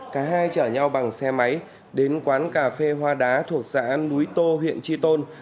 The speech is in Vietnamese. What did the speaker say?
cả hai chở nhau bằng xe máy đến quán cà phê hoa đá thuộc xã núi tô huyện tri tôn